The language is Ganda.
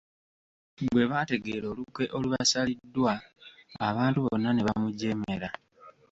Bwe baategeera olukwe olubasaliddwa, abantu bonna ne bamujeemera.